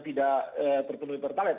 tidak terpenuhi pertalat